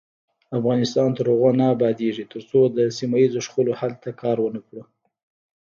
افغانستان تر هغو نه ابادیږي، ترڅو د سیمه ییزو شخړو حل ته کار ونکړو.